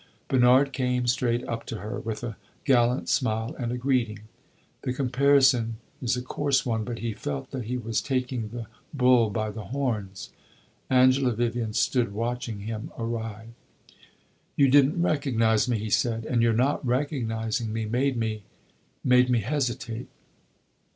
Bernard came straight up to her, with a gallant smile and a greeting. The comparison is a coarse one, but he felt that he was taking the bull by the horns. Angela Vivian stood watching him arrive. "You did n't recognize me," he said, "and your not recognizing me made me made me hesitate."